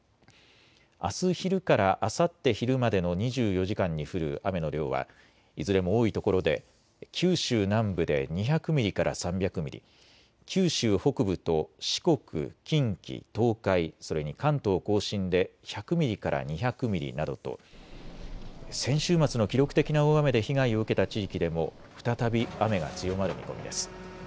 あす昼からあさって昼までの２４時間に降る雨の量はいずれも多いところで九州南部で２００ミリから３００ミリ、九州北部と四国、近畿、東海、それに関東甲信で１００ミリから２００ミリなどと先週末の記録的な大雨で被害を受けた地域でも再び雨が強まる見込みです。